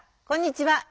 こんにちは。